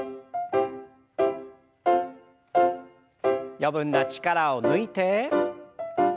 余分な力を抜いて。